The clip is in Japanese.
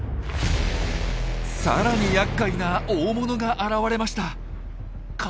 更にやっかいな大物が現れました。